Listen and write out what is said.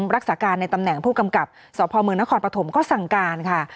รักษาการในตำแหน่งผู้กำกับสพเมืองนครปฐมก็สั่งการค่ะ